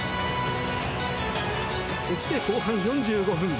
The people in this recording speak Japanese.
そして後半４５分。